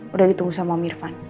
udah ditunggu sama pak irfan